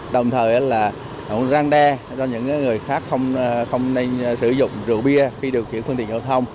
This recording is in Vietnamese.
đồng thời là răng đe cho những người khác không nên sử dụng rượu bia khi điều khiển phương tiện giao thông